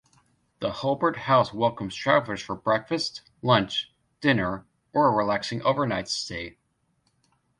The Hulbert House welcomes travelers for breakfast, lunch, dinner or a relaxing overnight stay.